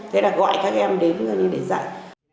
thế là gọi các em đến để dạy